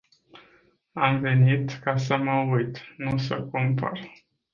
Am venit ca să mă uit, nu să cumpăr.